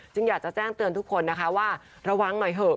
อยากจะแจ้งเตือนทุกคนนะคะว่าระวังหน่อยเถอะ